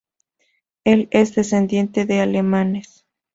Él es descendiente de alemanes.